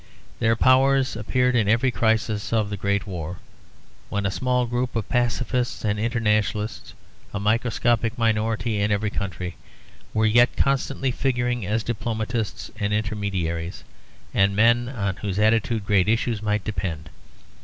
Their powers appeared in every crisis of the Great War, when a small group of pacifists and internationalists, a microscopic minority in every country, were yet constantly figuring as diplomatists and intermediaries and men on whose attitude great issues might depend.